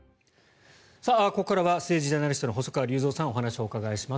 ここからは政治ジャーナリストの細川隆三さんにお話をお伺いします。